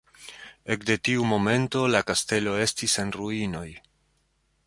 Ekde tiu momento, la kastelo estis en ruinoj.